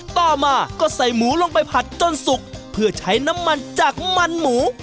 ต่อมาก็ใส่หมูลงไปผัดจนสุกเพื่อใช้น้ำมันจากมันหมู